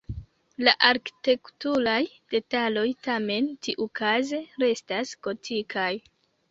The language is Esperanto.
La arkitekturaj detaloj tamen tiukaze restas gotikaj.